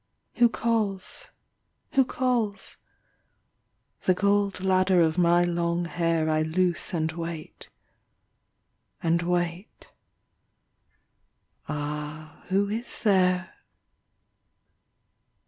Who calls? Who calls? The gold Ladder of my long hair I loose and wait. ... and wait. ... Ah, who is there?